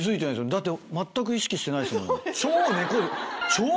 だって全く意識してないですもん。